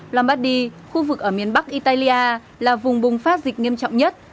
lombardi khu vực ở miền bắc italia là vùng bùng phát dịch nghiêm trọng nhất